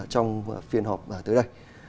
trong phiên họp tới đây